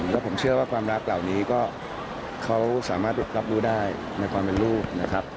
แล้วผมเชื่อว่าความรักเหล่านี้ก็เขาสามารถรับรู้ได้ในความเป็นลูกนะครับ